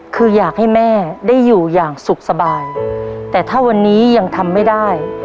คืออยากให้แม่ได้อยู่อย่างสุขสบายแต่ถ้าวันนี้ยังทำไม่ได้